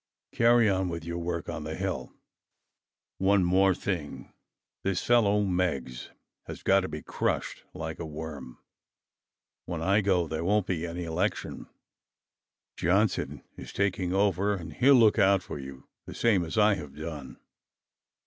Carry on with your work on the hill. One thing more: This fellow Meggs has got to be crushed like a worm. When I go, there won't be any election. Johnson is taking over and he'll look out for you, the same as I have done."